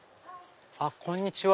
こんにちは。